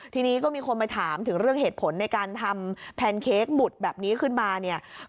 ทีนี้ก็มีคนไปถามถึงเรื่องเหตุผลในการทำแพนเค้กหมุดแบบนี้ขึ้นมาเนี่ย